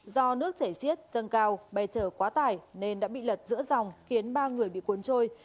do nước chảy xiết dâng cao bè chở quá tải nên đã bị lật giữa dòng khiến ba người bị cuốn trôi